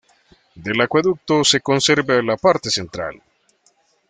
Del acueducto se conserva la parte central.